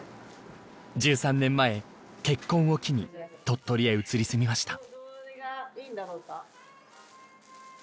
１３年前結婚を機に鳥取へ移り住みました。